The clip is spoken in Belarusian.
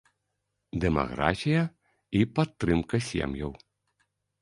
Дэмаграфія і падтрымка сем'яў.